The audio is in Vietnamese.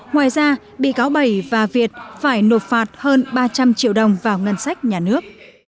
ngoài ra bị cáo bảy và việt phải nộp phạt hơn ba trăm linh triệu đồng vào ngân sách nhà nước